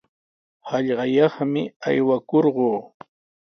Hallqayaqmi aywakurquu.